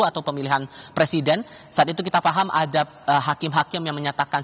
atau pemilihan presiden saat itu kita paham ada hakim hakim yang menyatakan